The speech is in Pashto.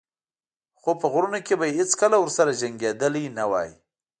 خو په غرونو کې به یې هېڅکله ورسره جنګېدلی نه وای.